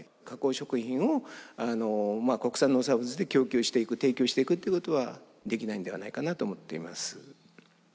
加工食品を国産農産物で供給していく提供していくってことはできないんではないかなと思っています。